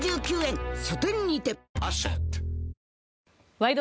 「ワイド！